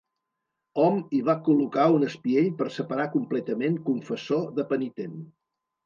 Hom hi va col·locar un espiell per separar completament confessor de penitent.